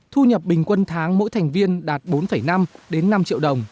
thu nhập bình quân tháng mỗi thành viên đạt bốn năm đến năm triệu đồng